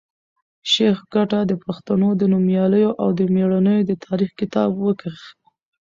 شېخ کټه د پښتنو د نومیالیو او مېړنیو د تاریخ کتاب وکېښ.